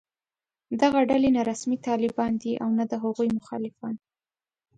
دغه ډلې نه رسمي طالبان دي او نه د هغوی مخالفان